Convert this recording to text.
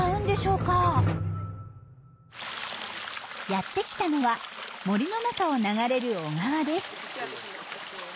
やってきたのは森の中を流れる小川です。